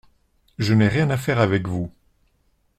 Je n’ai rien à faire avec vous.